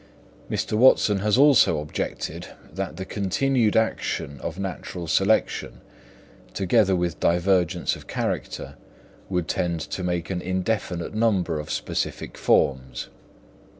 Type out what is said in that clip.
Mr. Watson has also objected that the continued action of natural selection, together with divergence of character, would tend to make an indefinite number of specific forms.